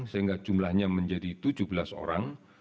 sehingga jumlahnya menjadi tujuh belas orang